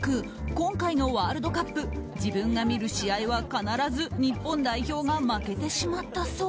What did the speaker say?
今回のワールドカップ自分が見る試合は必ず日本代表が負けてしまったそう。